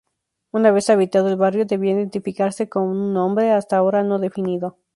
Una vez habitado el barrio, debía identificarse con un nombre, hasta ahora no definido.